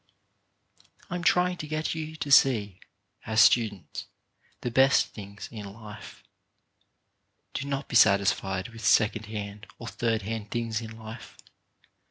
I am trying to get you to see, as students, the best things in life. Do not be satisfied with second hand or third hand things in life.